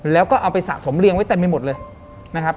แล้วก็เอาไปสะสมเรียงไว้เต็มไปหมดเลยนะครับ